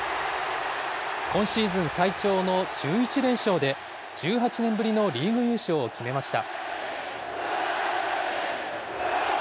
今シーズン最長の１１連勝で、１８年ぶりのリーグ優勝を決めました。